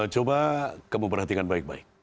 coba kamu perhatikan baik baik